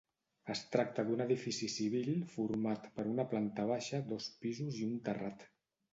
Es tracta d'un edifici civil format per una planta baixa, dos pisos i un terrat.